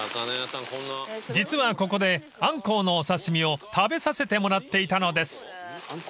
［実はここでアンコウのお刺し身を食べさせてもらっていたのです］